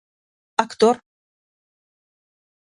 Actor.